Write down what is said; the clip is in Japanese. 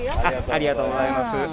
ありがとうございます。